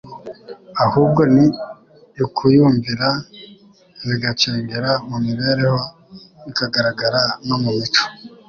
ahubwo ni ukuyumvira bigacengera mu mibereho bikagaragara no mu mico.